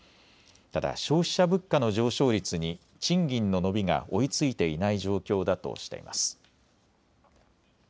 ただ消費者物価の上昇率に賃金の伸びが追いついていない状況だとしています。